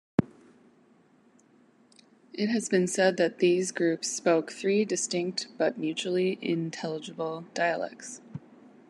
It has been said that these groups spoke three distinct but mutually intelligible dialects.